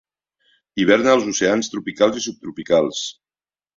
Hiverna als oceans tropicals i subtropicals.